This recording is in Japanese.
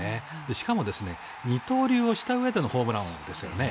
しかも、二刀流をしたうえでのホームラン王ですよね。